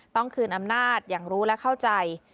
ต้องคืนอำนาจอย่างรู้และเข้าใจ